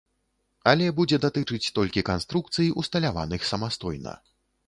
Але будзе датычыць толькі канструкцый, усталяваных самастойна.